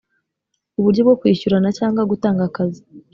uburyo bwo kwishyurana cyangwa gutanga akazi